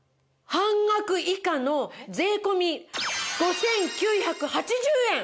半額以下の税込５９８０円！